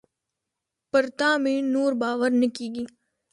پر تا مي نور باور نه کېږي .